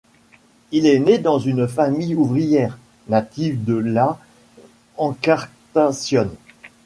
Il est né dans une famille ouvrière, native de Las Encartaciones.